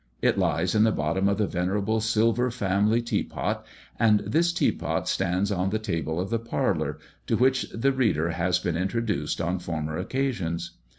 It lies in the bottom of the venerable silver family tea pot; and this tea pot stands on the table of the parlour, to which the reader has been introduced on former occasions.